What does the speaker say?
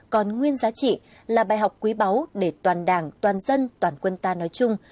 còn nguyên giá trị là bài học quý báu để toàn đảng toàn dân toàn quân ta nói chung